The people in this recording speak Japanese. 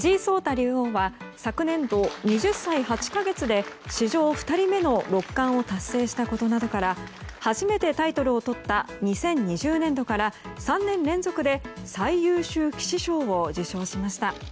竜王は、昨年度２０歳８か月で史上２人目の六冠を達成したことなどから初めてタイトルをとった２０２０年度から３年連続で最優秀棋士賞を受賞しました。